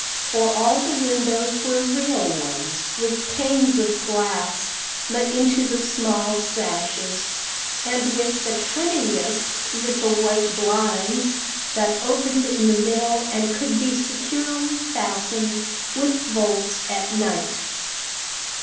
For all the windows were real ones, with panes of glass let into the small sashes and with the cunningest little white blinds that opened in the middle and could be securely fastened with bolts at night.